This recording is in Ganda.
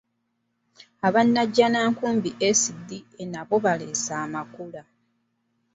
Aba Najjanankumbi SDA nabo baaleese amakula.